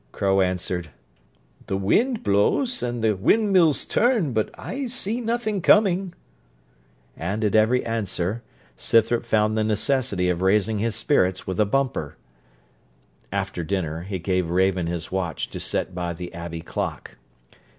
Crow answered, 'The wind blows, and the windmills turn, but I see nothing coming;' and, at every answer, Scythrop found the necessity of raising his spirits with a bumper. After dinner, he gave Raven his watch to set by the abbey clock.